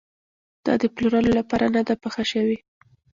دا د پلورلو لپاره نه ده پخه شوې.